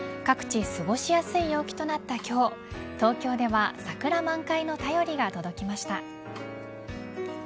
各地、過ごしやすい陽気となった今日東京では桜満開の便りが届きました。